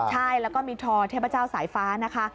ใช่แล้วก็มีทอเทพเจ้าสายฟ้านะคะ